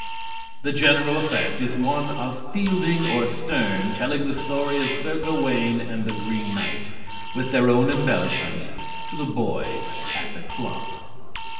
The general effect is one of Fielding or Sterne telling the story of Sir Gawain and the Green Knight, with their own embellishments, to the boys at the club.